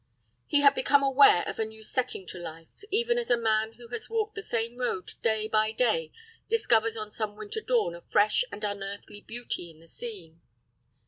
He had become aware of a new setting to life, even as a man who has walked the same road day by day discovers on some winter dawn a fresh and unearthly beauty in the scene.